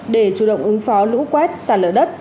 để chủ động ứng phó lũ quét sạt lở đất